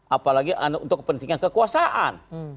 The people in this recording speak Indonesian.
apalagi untuk pentingnya kekuasaan